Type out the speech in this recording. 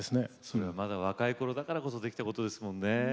それはまだ若いころだからこそできたことですもんね。